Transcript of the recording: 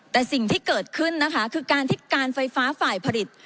แต่สิ่งที่เกิดขึ้นนะคะคือการที่การไฟฟ้าฝ่ายผลิต